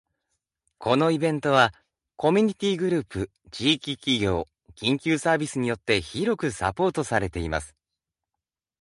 このイベントは、コミュニティグループ、地域企業、緊急サービスによって広くサポートされています。